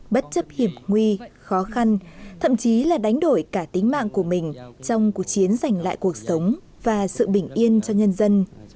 bất chấp hiểm nguy khó khăn thậm chí là đánh đổi cả tính mạng của mình trong cuộc chiến giành lại cuộc sống và sự bình yên cho nhân dân